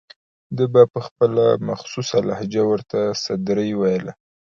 ده به په خپله مخصوصه لهجه ورته سدرۍ ویله.